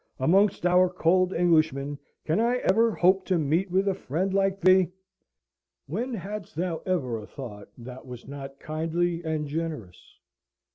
"Amongst our cold Englishmen, can I ever hope to meet with a friend like thee? When hadst thou ever a thought that was not kindly and generous?